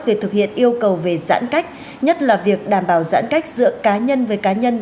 việc thực hiện yêu cầu về giãn cách nhất là việc đảm bảo giãn cách giữa cá nhân với cá nhân